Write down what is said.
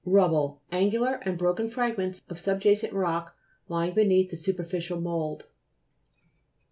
RUBBLE Angular and broken frag ments of subjacent rock lying be neath the superficial mould.